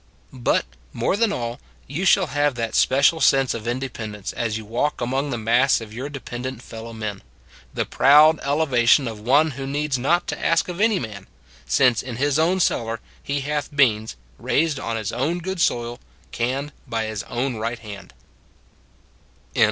But, more than all, you shall have that special sense of independence as you walk among the mass of your dependent fellow men the proud elevation of one who needs not to ask of any man, since in his own cellar he hath beans, raised on his own good soil, canned by his own right hand.